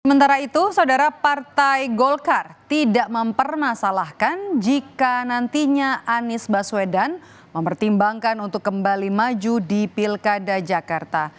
sementara itu saudara partai golkar tidak mempermasalahkan jika nantinya anies baswedan mempertimbangkan untuk kembali maju di pilkada jakarta